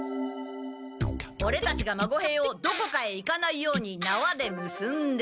オレたちが孫兵をどこかへ行かないようになわでむすんで。